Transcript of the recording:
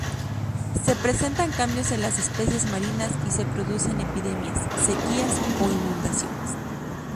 Se presentan cambios en las especies marinas y se producen epidemias, sequías o inundaciones.